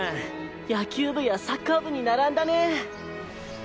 野球部やサッカー部に並んだね。